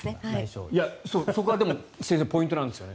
そこはでも先生、ポイントなんですよね。